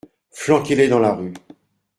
Flanquez-les dans la rue !